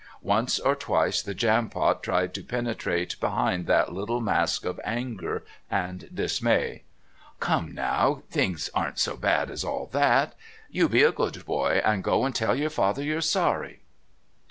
Once or twice the Jampot tried to penetrate behind that little mask of anger and dismay. "Come, now, things aren't so bad as all that. You be a good boy, and go and tell your father you're sorry..."